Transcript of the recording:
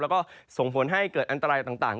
แล้วก็ส่งผลให้เกิดอันตรายต่าง